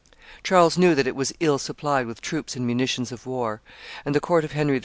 Charles knew that it was ill supplied with troops and munitions of war; and the court of Henry II.